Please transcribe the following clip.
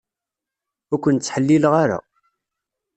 Ur ken-ttḥellileɣ ara.